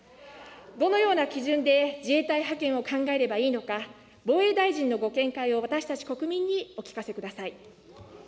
どのような基準で、自衛隊派遣を考えればいいのか、防衛大臣のご見解を私たち国民にお聞かせください。